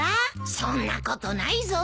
そんなことないぞ。